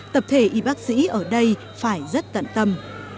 tập thể y bác sĩ ở đây phải rất tận tâm